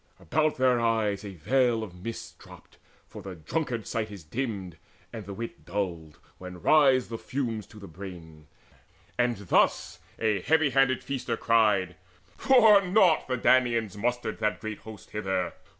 About their eyes a veil Of mist dropped, for the drunkard's sight is dimmed, And the wit dulled, when rise the fumes to the brain: And thus a heavy headed feaster cried: "For naught the Danaans mustered that great host Hither!